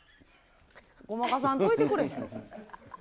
ごまかさんといてくれへん。